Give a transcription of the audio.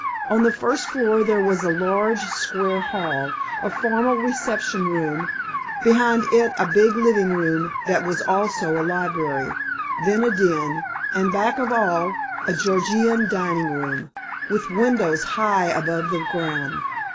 On the first floor there was a large square hall, a formal reception room, behind it a big living room that was also a library, then a den, and back of all a Georgian dining room, with windows high above the ground.